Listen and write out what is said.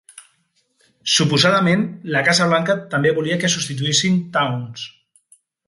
Suposadament, la Casa Blanca també volia que substituïssin Towns.